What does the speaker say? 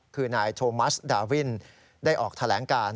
คือนายโทมัสดาวินได้ออกแถลงการ